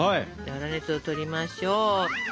粗熱をとりましょう。